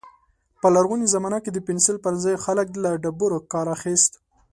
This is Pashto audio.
په لرغوني زمانه کې د پنسل پر ځای خلک له ډبرو کار اخيست.